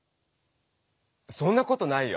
そんなことないよ。